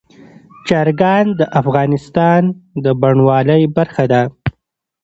چرګان د افغانستان د بڼوالۍ برخه ده.